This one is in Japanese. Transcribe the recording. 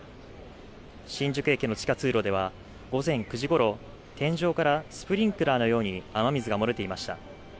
新宿駅の地下通路では午前９時ごろ、天井からスプリンクラーのように雨水が漏れていました。